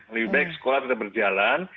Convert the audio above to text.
lebih baik sekolah tetap berjalan